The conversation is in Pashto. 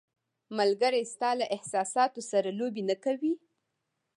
ملګری ستا له احساساتو سره لوبې نه کوي.